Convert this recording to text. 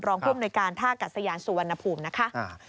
รองคลุมโนยการท่ากัสยานสุวรรณภูมินะคะ